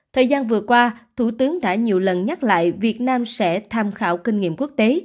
thời gian vừa qua thủ tướng đã nhiều lần nhắc lại việt nam sẽ tham khảo kinh nghiệm quốc tế